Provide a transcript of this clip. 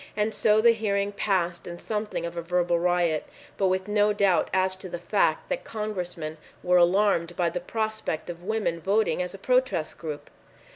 And so the hearing passed in something of a verbal riot, but with no doubt as to the fact that Congressmen were alarmed by the prospect of women voting as a protest group.